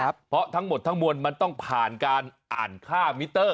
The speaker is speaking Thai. เพราะทั้งหมดทั้งมวลมันต้องผ่านการอ่านค่ามิเตอร์